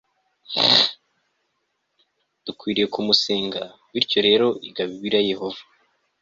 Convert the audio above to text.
dukwiriye kumusenga bityo rero iga bibiliya yehova